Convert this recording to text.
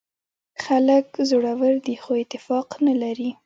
خلک زړور دي خو اتفاق نه لري.